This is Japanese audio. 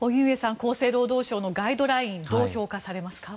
厚生労働省のガイドラインどう評価されますか？